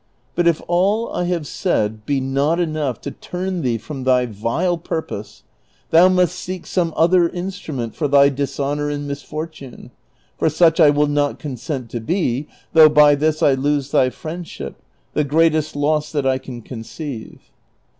But if all I have said be not enough to turn thee from tliy vile purpose, thou must seek some other instrument for thy dishonor and misfortune ; for such I will not consent to be, though by this I lose thy friendship, the greatest loss that I can conceive."